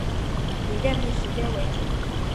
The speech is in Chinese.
以任命时间为主